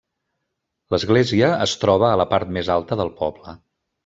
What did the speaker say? L'església es troba a la part més alta del poble.